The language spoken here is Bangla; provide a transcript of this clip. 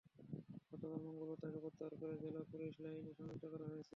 গতকাল মঙ্গলবার তাঁকে প্রত্যাহার করে জেলা পুলিশ লাইনে সংযুক্ত করা হয়েছে।